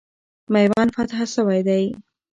میوند فتح سوی دی.